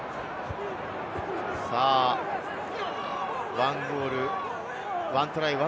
１ゴール、１トライ